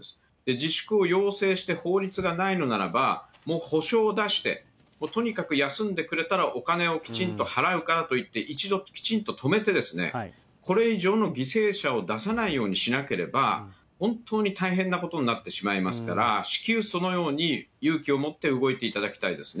自粛を要請して、法律がないのならば、もう補償を出して、とにかく休んでくれたら、お金をきちんと払うからといって、一度きちんと止めて、これ以上の犠牲者を出さないようにしなければ、本当に大変なことになってしまいますから、至急そのように勇気を持って動いていただきたいですね。